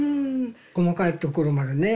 細かいところまでね。